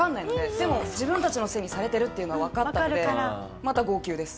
でも自分たちのせいにされてるっていうのはわかったのでまた号泣です。